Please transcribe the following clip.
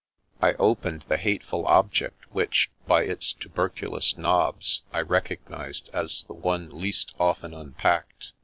I opened the hateful object which, by its tubercu lous knobs, I recognised as the one least often un packed.